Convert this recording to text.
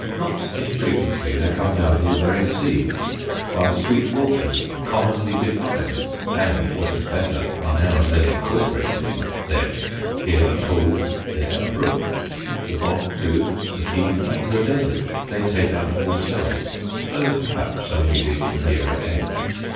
Not infrequently they come down to the very sea, while sweet waters commonly define and, what is better, are now and then incorporated in, them here a pool, there a brook. The bog, too, the heath and the desert, they take unto themselves, though perhaps only the nearer edge.